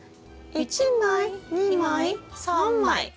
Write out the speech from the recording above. １枚２枚３枚。